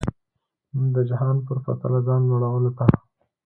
نه د جهان په پرتله ځان لوړولو ته.